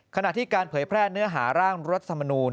ขณะที่การเผยแพร่เนื้อหาร่างรัฐธรรมนูล